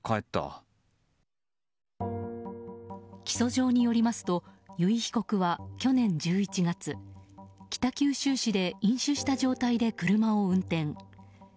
起訴状によりますと由井被告は、去年１１月北九州市で飲酒した状態で車を運転。